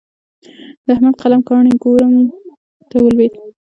د احمد قلم کاڼی کوړم ته ولوېد.